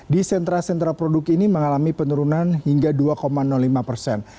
di sentra sentra produk ini mengalami penurunan hingga dua lima persen